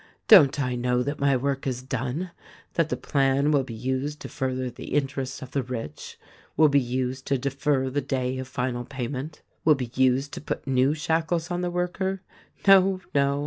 Don't I know that my work is done — that the plan will be used to further the interests of the rich, will be used to defer the day of final payment, will be used to put new shackles on the worker ? No, no